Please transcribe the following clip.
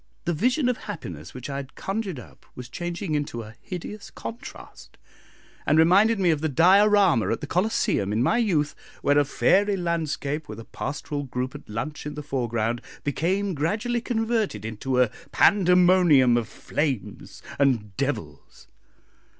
The vision of happiness which I had conjured up was changing into a hideous contrast, and reminded me of the Diorama at the Colosseum in my youth, where a fairy landscape, with a pastoral group at lunch in the foreground, became gradually converted into a pandemonium of flames and devils.